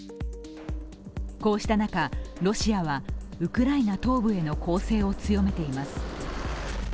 こうした中、ロシアはウクライナ東部への攻勢を強めています。